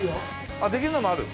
あっできるのもある。